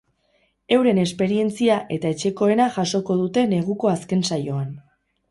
Euren esperientzia eta etxekoena jasoko dute neguko azken saioan.